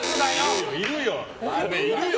いるよ！